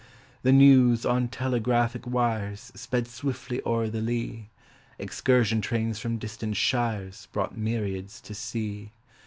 The news, on telegraphic wires, Sped swiftly o'er the lea Excursion trains from distant shires Brought myriads to see.